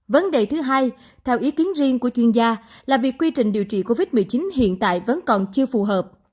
vấn đề thứ hai theo ý kiến riêng của chuyên gia là việc quy trình điều trị covid một mươi chín hiện tại vẫn còn chưa phù hợp